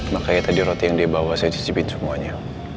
makanya tadi roti yang dia bawa saya cicipin semuanya